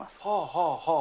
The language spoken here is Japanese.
はあはあ。